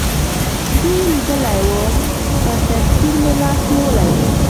دې لیدلی ووم، پر دستګیر مې لاس نیولی و.